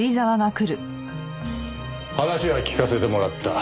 話は聞かせてもらった。